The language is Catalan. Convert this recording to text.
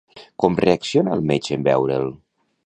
Com reacciona el metge en veure'l?